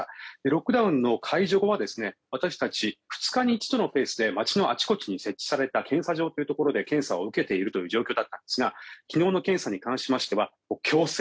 ロックダウンの解除後は私たち、２日に一度のペースで街のあちこちに設置された検査場というところで検査を受けているという状況だったんですが昨日の検査に関しては強制。